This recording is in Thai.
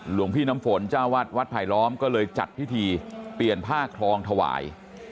หลวงพี่น้ำฝนเจ้าวัดวัดไผลล้อมก็เลยจัดพิธีเปลี่ยนผ้าครองถวาย